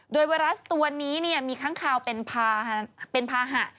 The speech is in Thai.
โดยไวรัสตัวนี้มีค้างคาวเป็นภาหะ